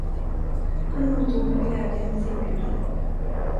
Han mottog med glädje hennes inbjudan.